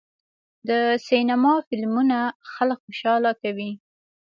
د سینما فلمونه خلک خوشحاله کوي.